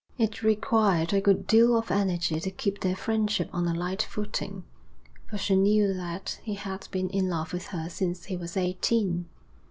It required a good deal of energy to keep their friendship on a light footing, for she knew that he had been in love with her since he was eighteen.